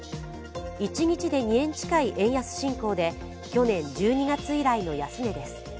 一日で２円近い円安進行で去年１２月以来の安値です。